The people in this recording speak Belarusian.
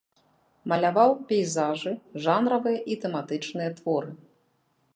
Маляваў пейзажы, жанравыя і тэматычныя творы.